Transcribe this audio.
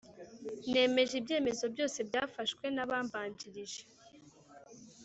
nemeje ibyemezo byose byafashwe n’abambanjirije,